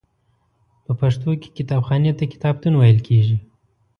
په پښتو کې کتابخانې ته کتابتون ویل کیږی.